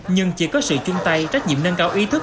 nhưng chỉ có sự chung tay trách nhiệm nâng cao ý thức